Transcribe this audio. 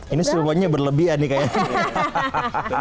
ini semuanya berlebihan nih kayaknya